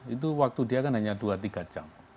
itu waktu dia kan hanya dua tiga jam